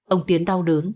ông tiến đau đớn